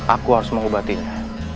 aku harus mengubatinya